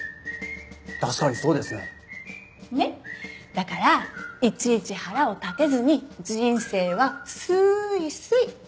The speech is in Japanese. だからいちいち腹を立てずに人生はすーいすい。